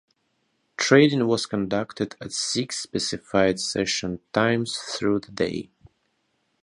Trading was conducted at six specified session times through the day.